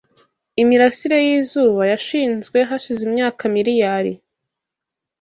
Imirasire y'izuba yashinzwe hashize imyaka miriyari